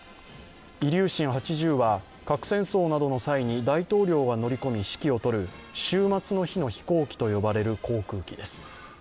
イリューシン８０は核戦争などの際に、大統領が乗り込み指揮を執る週末の日の飛行機と呼ばれる航空機です。